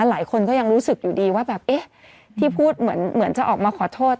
หลายคนก็ยังรู้สึกอยู่ดีว่าแบบเอ๊ะที่พูดเหมือนจะออกมาขอโทษ